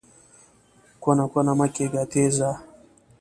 کونه کونه مه کېږه، تېز ځه!